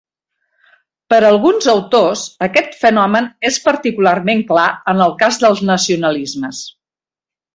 Per a alguns autors, aquest fenomen és particularment clar en el cas dels nacionalismes.